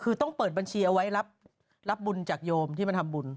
คือต้องเปิดบัญชีเอาไว้รับบุญจากโยมที่มาทำบุญ